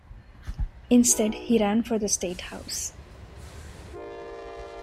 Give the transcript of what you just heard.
Instead, he ran for the State House.